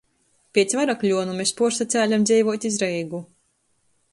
Piec Varakļuonu mes puorsacēlem dzeivuot iz Reigu.